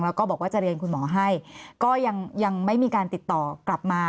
แล้วก็บอกว่าจะเรียนคุณหมอให้ก็ยังไม่มีการติดต่อกลับมา